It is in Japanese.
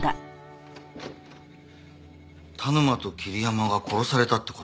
田沼と桐山が殺されたって事か。